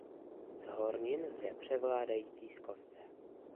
Z hornin zde převládají pískovce.